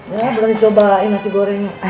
ya belum cobain nasi goreng